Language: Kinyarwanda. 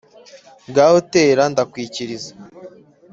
gaho tera ndakwikiriza.